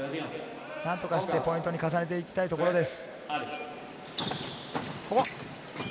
何とかしてポイントに重ねていきたいところです。